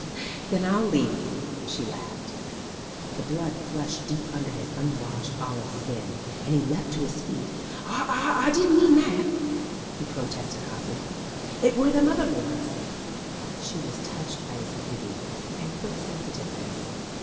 "Then I'll leave you," she laughed. The blood flushed deep under his unwashed olive skin, and he leaped to his feet. "Aw didn't mean that!" he protested hotly. "It wur them other boys." She was touched by his beauty and quick sensitiveness.